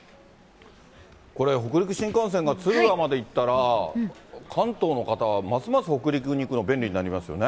これ、北陸新幹線が敦賀まで行ったら、関東の方はますます北陸に行くの便利になりますよね。